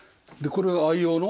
これは愛用の？